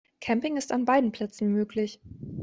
Camping ist an beiden Plätzen möglich.